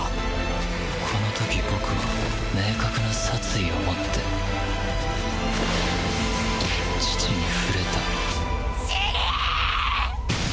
この時僕は明確な殺意をもって父に触れた死ねェ！